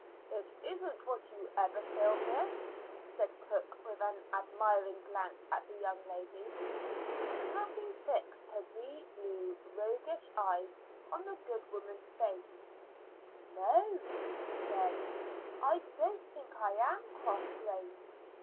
"It isn't what you ever feel, miss," said cook with an admiring glance at the young lady. Kathleen fixed her deep blue roguish eyes on the good woman's face. "No," she said, "I don't think I am cross grained.